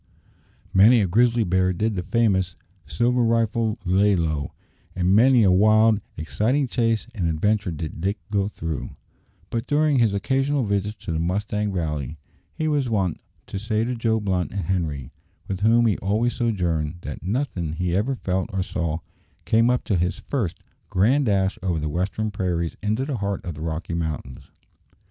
Many a grizzly bear did the famous "silver rifle" lay low, and many a wild, exciting chase and adventure did Dick go through; but during his occasional visits to the Mustang Valley he was wont to say to Joe Blunt and Henri with whom he always sojourned that "nothin' he ever felt or saw came up to his first grand dash over the western prairies into the heart of the Rocky Mountains."